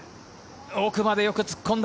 奥までよく突っ込んだ。